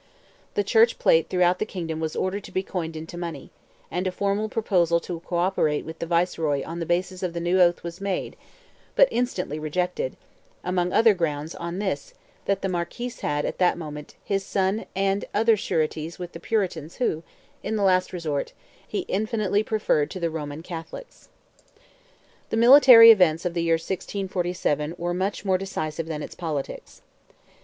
The church plate throughout the kingdom was ordered to be coined into money, and a formal proposal to co operate with the Viceroy on the basis of the new oath was made, but instantly rejected; among other grounds, on this, that the Marquis had, at that moment, his son and and other sureties with the Puritans who, in the last resort, he infinitely preferred to the Roman Catholics. The military events of the year 1647 were much more decisive than its politics.